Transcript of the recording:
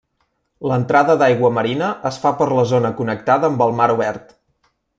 L’entrada d’aigua marina es fa per la zona connectada amb el mar obert.